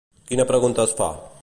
Quina pregunta es fa?